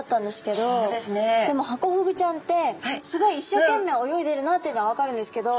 でもハコフグちゃんってすごい一生懸命泳いでるなっていうのは分かるんですけど。